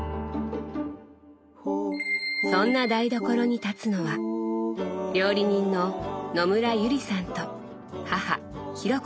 そんな台所に立つのは料理人の野村友里さんと母紘子さん。